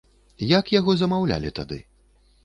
Як яго замаўлялі тады?